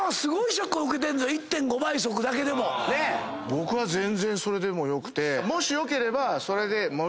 僕は全然それでも良くてもし。